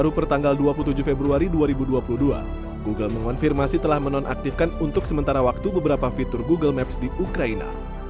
baru pertanggal dua puluh tujuh februari dua ribu dua puluh dua google mengonfirmasi telah menonaktifkan untuk sementara waktu beberapa fitur google maps di ukraina